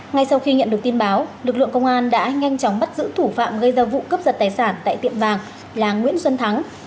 ngay sau khi nhận được tin báo lực lượng công an đã nhanh chóng bắt giữ thủ phạm gây ra vụ cướp giật tài sản tại tiệm vàng là nguyễn xuân thắng